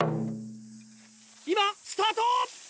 今スタート！